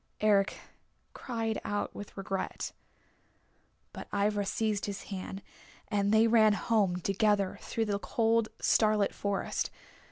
Eric cried out with regret. But Ivra seized his hand, and they ran home together through the cold, starlit forest.